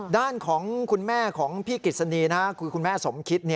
ด้านของคุณแม่ของพี่กฤษณีคือคุณแม่สมคิด